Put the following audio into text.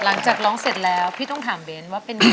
หลังจากร้องเสร็จแล้วพี่ต้องถามเบ้นว่าเป็นไง